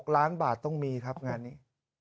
ล้านบาทต้องมีครับงานนี้